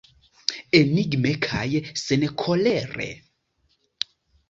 Enigme kaj senkolere.